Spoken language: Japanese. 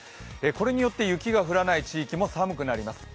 これによって雪が降らない地域も寒くなります。